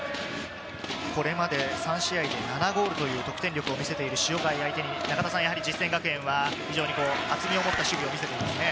これまで３試合で７ゴールという得点力を見せている塩貝相手に、やはり実践学園は非常に厚みを持った守備を見せていますね。